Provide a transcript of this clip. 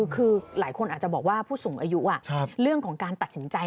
คือหลายคนอาจจะบอกว่าผู้สูงอายุเรื่องของการตัดสินใจ